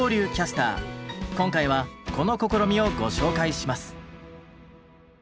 今回はこの試みをご紹介します。